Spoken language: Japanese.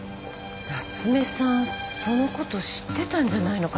夏目さんそのこと知ってたんじゃないのかしら？